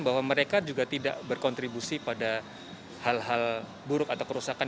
bahwa mereka juga tidak berkontribusi pada hal hal buruk atau kerusakan